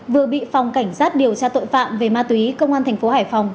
vừa bị phòng cảnh sát điều tra tội phạm về ma túy công an thành phố hải phòng